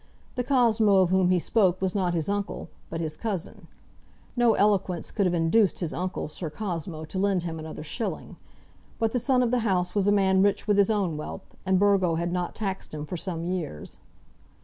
The Cosmo of whom he spoke was not his uncle, but his cousin. No eloquence could have induced his uncle, Sir Cosmo, to lend him another shilling. But the son of the house was a man rich with his own wealth, and Burgo had not taxed him for some years.